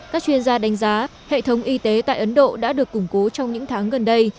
các chuyên gia đánh giá hệ thống y tế tại ấn độ đã được củng cố trong những tháng gần đây